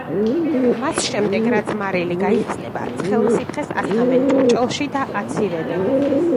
მას შემდეგ რაც მარილი გაიხსნება ცხელ სითხეს ასხამენ ჭურჭელში და აცივებენ.